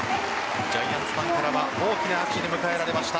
ジャイアンツファンからは大きな拍手で迎えられました。